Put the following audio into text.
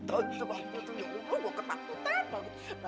tentunya ulu gue ketakutan